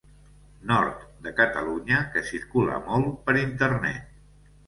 Nord de Catalunya que circula molt per internet.